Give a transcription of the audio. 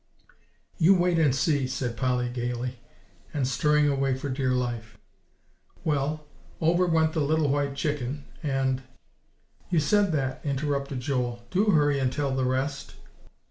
"You wait and see," said Polly gayly, and stirring away for dear life. "Well, over went the little white chicken, and" "You said that," interrupted Joel; "do hurry and tell the rest."